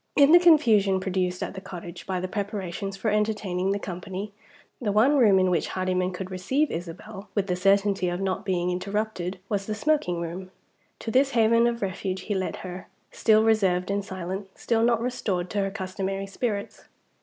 In the confusion produced at the cottage by the preparations for entertaining the company, the one room in which Hardyman could receive Isabel with the certainty of not being interrupted was the smoking room. To this haven of refuge he led her still reserved and silent, still not restored to her customary spirits.